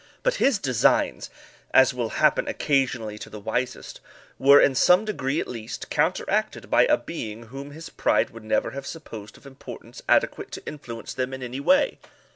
But his designs, as will happen occasionally to the wisest, were, in some degree at least, counteracted by a being whom his pride would never have supposed of importance adequate to influence them in any way.